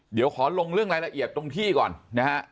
เดี๋ยวขอลงเรื่องรายละเอียดตรงที่ก่อนนะฮะ